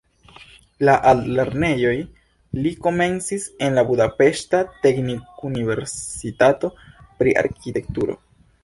La altlernejon li komencis en la budapeŝta teknikuniversitato pri arkitekturo.